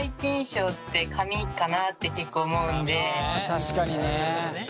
確かにね。